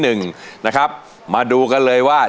นะครับมาดูกันเลยว่า